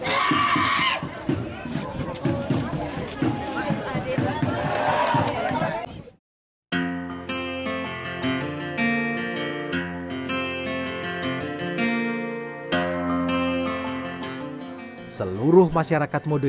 seluruh masyarakat modo indi sering menyokong pelanggar